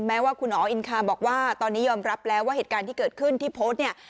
แม้ว่าคุณอ๋ออินคาบอกว่าตอนนี้ยอมรับแล้วว่าเหตุการณ์ที่เกิดขึ้นที่โพสต์เนี่ย